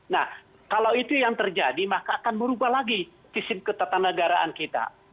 nah kalau itu yang terjadi maka akan merubah lagi sistem ketatan negaraan kita